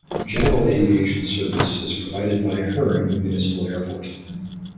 General aviation service is provided by Hearne Municipal Airport.